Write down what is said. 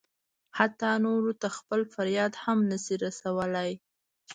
حتی نورو ته خپل فریاد هم نه شي رسولی.